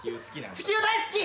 地球好き。